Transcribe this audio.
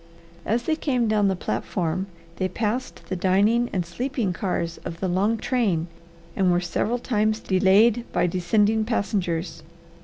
As they came down the platform they passed the dining and sleeping cars of the long train and were several times delayed by descending passengers.